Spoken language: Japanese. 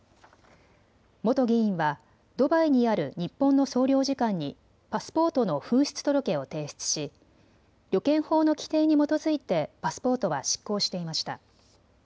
元議員はドバイにある日本の総領事館にパスポートの紛失届を提出し旅券法の規定に基づいてパスポートは失効していました。